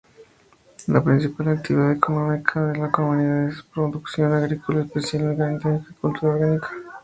La principal actividad económica de la comunidad es la producción agrícola, especialmente agricultura orgánica.